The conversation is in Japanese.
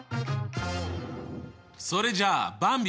それじゃあばんび！